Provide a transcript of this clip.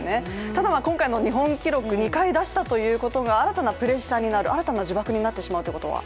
ただ今回の日本記録２回出したのが新たなプレッシャーになる、新たな呪縛になってしまうということは？